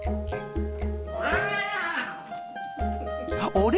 あれ？